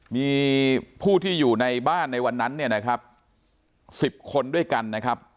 มีผู้ที่อยู่ในบ้านในวันนั้นเนี่ยนะครับ๑๐คนด้วยกันนะครับ